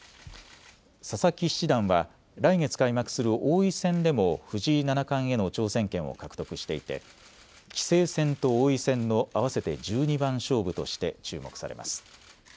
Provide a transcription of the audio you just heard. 佐々木七段は来月開幕する王位戦でも藤井七冠への挑戦権を獲得していて棋聖戦と王位戦の合わせて十二番勝負として注目されます。